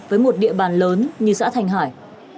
với một địa bàn lớn như xã thanh hải